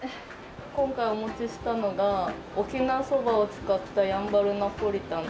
今回お持ちしたのが沖縄そばを使ったやんばるナポリタンという。